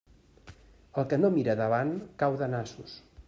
El que no mira davant, cau de nassos.